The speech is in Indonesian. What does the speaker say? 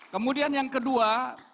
kemudian yang kedua